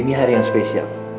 ini hari yang spesial